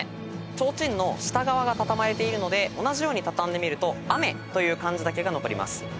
提灯の下側が畳まれているので同じように畳んでみると「雨」という漢字だけが残ります。